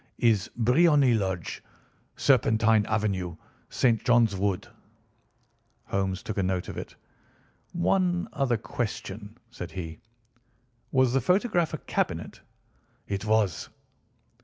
"Is Briony Lodge, Serpentine Avenue, St. John's Wood." Holmes took a note of it. "One other question," said he. "Was the photograph a cabinet?" "It was."